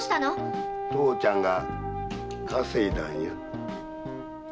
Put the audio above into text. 父ちゃんが稼いだんや。